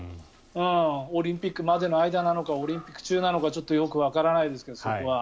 オリンピックまでの間なのかオリンピック中なのかちょっとわからないですがそこは。